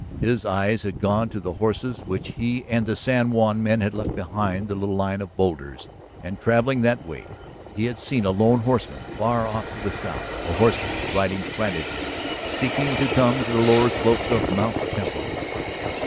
His eyes had gone to the horses which he and the San Juan men had left beyond the little line of boulders. And, travelling that way, he had seen a lone horseman far off to the south, a horseman riding frantically, seeking to come to the lower slopes of Mt. Temple.